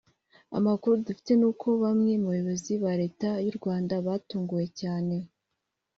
Amakuru dufite n’uko bamwe mu bayobozi ba Leta y’u Rwanda batunguwe cyane